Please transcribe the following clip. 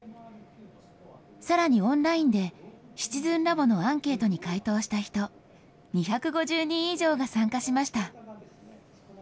さらにオンラインで、シチズンラボのアンケートに回答した人、２５０人以上が参加しました。